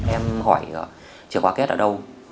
em hỏi chìa khóa két ở đâu